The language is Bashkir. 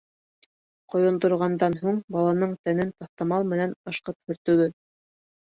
Ҡойондорғандан һуң баланың тәнен таҫтамал менән ышҡып һөртөгөҙ.